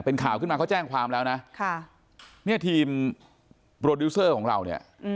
เป็นข่าวขึ้นมาเขาแจ้งความแล้วนะค่ะเนี่ยทีมโปรดิวเซอร์ของเราเนี่ย